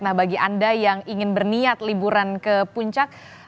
nah bagi anda yang ingin berniat liburan ke puncak